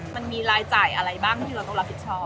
มันมีรายจ่ายอะไรบ้างที่เราต้องรับผิดชอบ